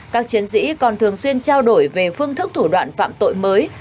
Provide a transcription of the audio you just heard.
các chiến sĩ còn thường xuyên trao đổi về phương thức thủ đoạn phạm tội mới